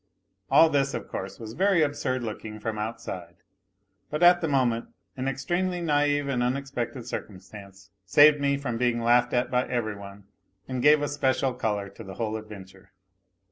... All this, of course, was very absurd looking from outside, but at that moment an extremely naive and unexpected circumstance saved me from being laughed at by every one, and gave a special colour to the whole adventure.